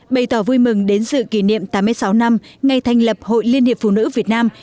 bày tỏ vui mừng đến sự kỷ niệm tám mươi sáu năm ngày thành lập hội liên hiệp phụ nữ việt nam